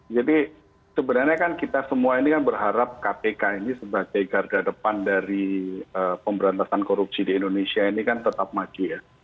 jadi sebenarnya kan kita semua ini kan berharap kpk ini sebagai garda depan dari pemberantasan korupsi di indonesia ini kan tetap maju ya